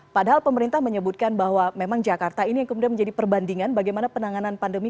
padahal pemerintah menyebutkan bahwa memang jakarta ini yang kemudian menjadi perbandingan bagaimana penanganan pandemi